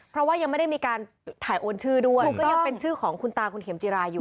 เพราะว่ายังไม่ได้มีการถ่ายโอนชื่อด้วยก็ยังเป็นชื่อของคุณตาคุณเข็มจิราอยู่